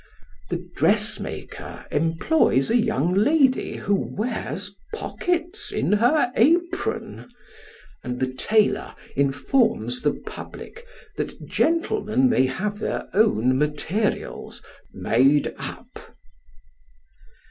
The dressmaker employs a young lady who wears pockets in her apron ; and the tailor informs the public that gentlemen may have their own materials made up.